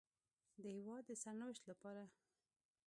د هېواد د سرنوشت لپاره